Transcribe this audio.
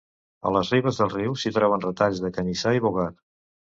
A les ribes del riu s’hi troben retalls de canyissar i bogar.